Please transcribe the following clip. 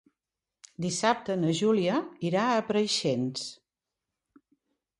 Dissabte na Júlia irà a Preixens.